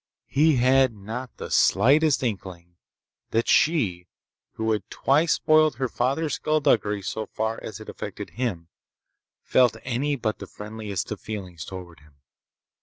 He had not the slightest inkling that she, who had twice spoiled her father's skulduggery so far as it affected him, felt any but the friendliest of feelings toward him.